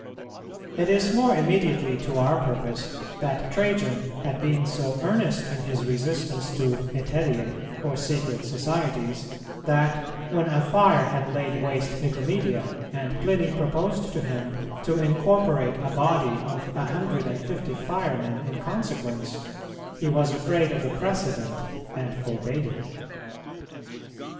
It is more immediately to our purpose that Trajan had been so earnest in his resistance to Hetæriæ or secret societies, that, when a fire had laid waste Nicomedia, and Pliny proposed to him to incorporate a body of a hundred and fifty firemen in consequence,[235:1] he was afraid of the precedent and forbade it.